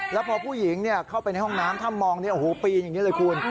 แล้วพอผู้หญิงเข้าไปในห้องน้ำถ้ามองปีนอย่างนี้เลยคุณ